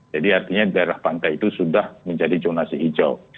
jadi artinya daerah pantai itu sudah menjadi jonasi hijau